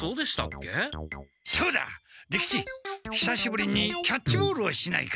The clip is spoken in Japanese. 久しぶりにキャッチボールをしないか？